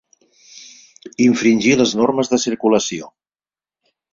Infringir les normes de circulació.